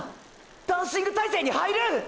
ダンシング体勢に入る！！